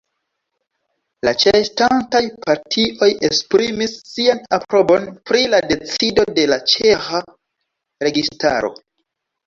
La ĉeestantaj partioj esprimis sian aprobon pri la decido de la ĉeĥa registaro.